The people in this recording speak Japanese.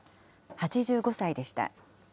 ８５歳でした。